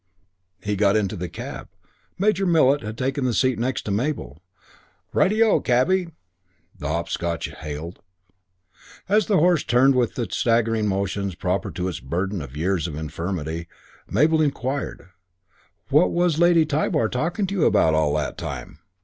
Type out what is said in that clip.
He got into the cab. Major Millet had taken the seat next Mabel. "Ri te O, Cabby!" the Hopscotch hailed. As the horse turned with the staggering motions proper to its burden of years and infirmity, Mabel inquired, "What was Lady Tybar talking to you about all that time?"